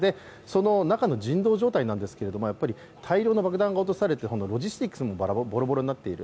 その中の人道状態なんですけれども大量の爆弾が落とされて、ロジスティックスもボロボロになっている。